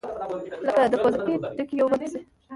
لكه د پوزکي ډَکي يو په بل پسي،